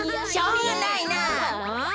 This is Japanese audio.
うん？